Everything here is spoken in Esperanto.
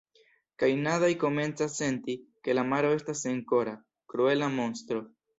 “Kaj Nadai komencas senti, ke la maro estas senkora, kruela monstro...